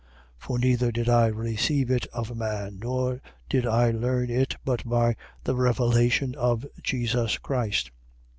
1:12. For neither did I receive it of man: nor did I learn it but by the revelation of Jesus Christ.